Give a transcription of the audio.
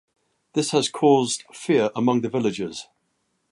This has caused fear among the villagers.